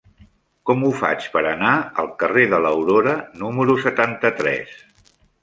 Com ho faig per anar al carrer de l'Aurora número setanta-tres?